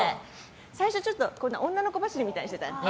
最初、ちょっと女の小走りみたいにしてたの。